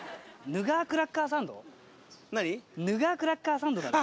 ヌガークラッカーサンドだって。